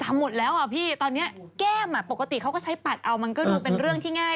หมดแล้วอ่ะพี่ตอนนี้แก้มปกติเขาก็ใช้ปัดเอามันก็ดูเป็นเรื่องที่ง่าย